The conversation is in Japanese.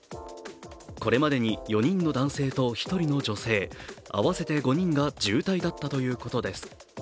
これまでに４人の男性と１人の女性、合わせて５人が重体だったということです。